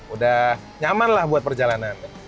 udah nyaman lah buat perjalanan